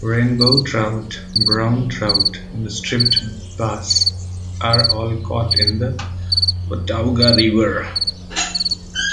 Rainbow trout, brown trout, and striped bass are all caught in the Watauga River.